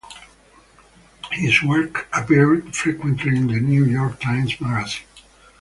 His work appeared frequently in the New York Times Magazine.